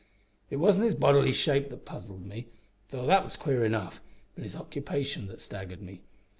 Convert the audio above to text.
It wasn't his bodily shape that puzzled me, though that was queer enough, but his occupation that staggered me.